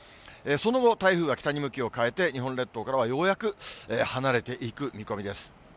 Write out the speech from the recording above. その後、台風は北に向きを変えて、日本列島からはようやく離れていく見込みです。